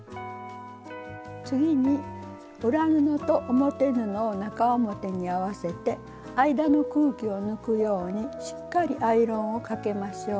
次に裏布と表布を中表に合わせて間の空気を抜くようにしっかりアイロンをかけましょう。